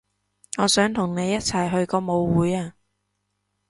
我想同你一齊去個舞會啊